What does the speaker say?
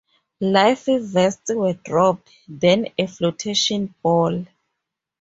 Life vests were dropped, then a flotation ball.